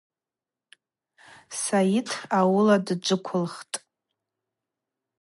Сайыт ауыла дджвыквылхтӏ.